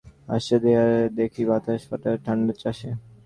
খালি গায়ে হুমড়ি খেয়েদেখছি আমি আসছে ধেয়েআবার দেখি বাতাস ফাটায়ব্যস্ত ঠান্ডা চাষে।